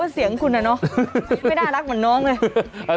เสียงคุณอะเนาะไม่น่ารักเหมือนน้องเลย